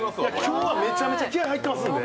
今日はめちゃめちゃ気合い入ってますので。